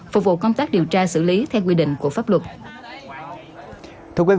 phục vụ công tác điều tra xử lý theo quy định của pháp luật